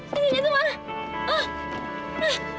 diri dxu mahnn